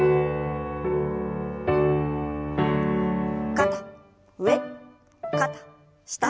肩上肩下。